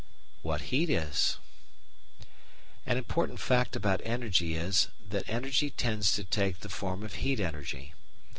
What Heat is An important fact about energy is, that all energy tends to take the form of heat energy.